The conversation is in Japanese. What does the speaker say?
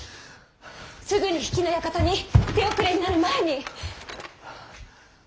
すぐに比企の館に手遅れになる前に！